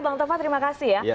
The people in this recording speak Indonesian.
bang tova terima kasih ya